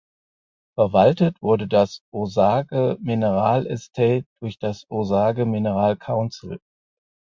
Verwaltet wurde das "Osage Mineral Estate" durch das "Osage Minerals Council".